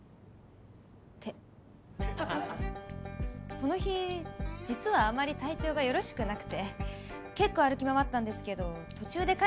その日実はあまり体調がよろしくなくて結構歩き回ったんですけど途中で彼が気づいてくれて。